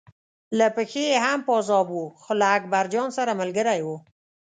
له پښې یې هم پازاب و خو له اکبرجان سره ملګری و.